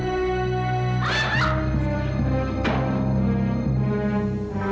sayang gua udah mau ke baja